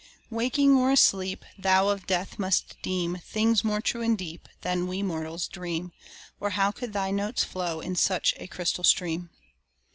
Waking or asleep, Thou of death must deem Things more true and deep Than we mortals dream, Or how could thy notes flow in such a crystal stream?